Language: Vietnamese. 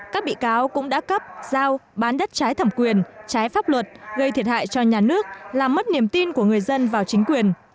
các bị cáo cũng đã cấp giao bán đất trái thẩm quyền trái pháp luật gây thiệt hại cho nhà nước làm mất niềm tin của người dân vào chính quyền